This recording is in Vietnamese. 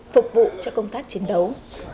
phục vụ cho công tác chiến đấu